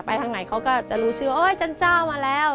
ทางไหนเขาก็จะรู้ชื่อโอ๊ยจันเจ้ามาแล้ว